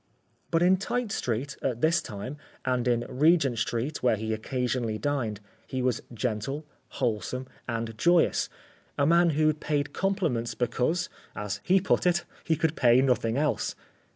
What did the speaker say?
But in Tite street, at this time, and in Regent street where he occasionally dined, he was gentle, wholesome, and joyous; a man who paid compliments because, as he put it, he could pay nothing else.